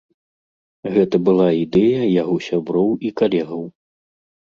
Гэта была ідэя яго сяброў і калегаў.